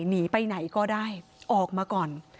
หนีไปไหนก็ได้ออกมาก่อน